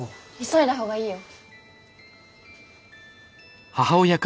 急いだ方がいいよ。